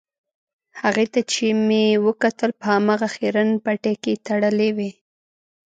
هغې ته چې مې وکتل په هماغه خیرن پټۍ کې تړلې وې.